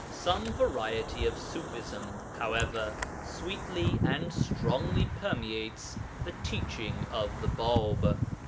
Some variety of Ṣufism, however, sweetly and strongly permeates the teaching of the Bāb.